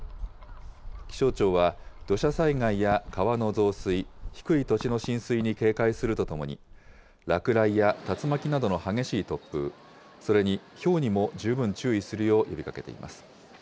気象庁は土砂災害や川の増水、低い土地の浸水に警戒するとともに、落雷や竜巻などの激しい突風、それにひょうにも十分注意するよう呼びかけています。